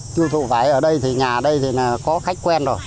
tiêu thụ vải ở đây thì nhà ở đây thì có khách quen rồi